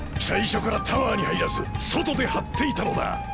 最初からタワーに入らず外で張っていたのだ。